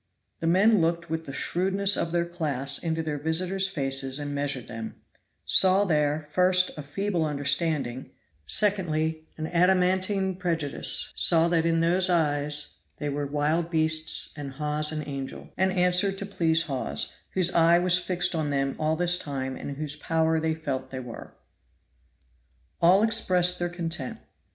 The men looked with the shrewdness of their class into their visitors' faces and measured them; saw there, first a feeble understanding, secondly an adamantine prejudice; saw that in those eyes they were wild beasts and Hawes an angel, and answered to please Hawes, whose eye was fixed on them all this time and in whose power they felt they were. All expressed their content.